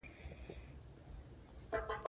زړه مې په ویره کې مبتلا شو.